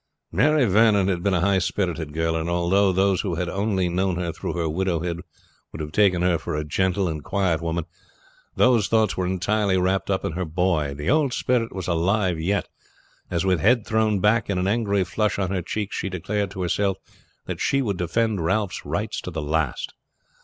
Mary Vernon had been a high spirited girl, and, although those who had only known her through her widowhood would have taken her for a gentle and quiet woman, whose thoughts were entirely wrapped up in her boy, the old spirit was alive yet, as with head thrown back, and an angry flush on her cheeks, she declared to herself that she would defend Ralph's rights to the last.